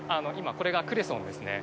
これがクレソンですね。